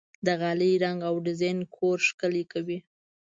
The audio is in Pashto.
د غالۍ رنګ او ډیزاین کور ښکلی کوي.